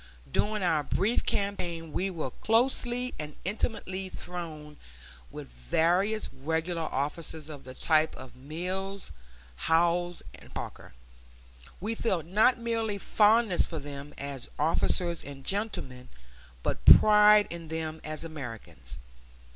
During our brief campaign we were closely and intimately thrown with various regular officers of the type of Mills, Howze, and Parker. We felt not merely fondness for them as officers and gentlemen, but pride in them as Americans.